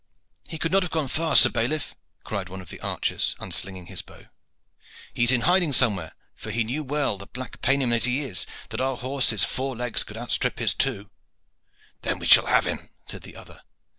"He could not have gone far, sir bailiff," cried one of the archers, unslinging his bow. "He is in hiding somewhere, for he knew well, black paynim as he is, that our horses' four legs could outstrip his two." "Then we shall have him," said the other.